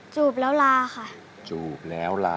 จูบแล้วลาค่ะ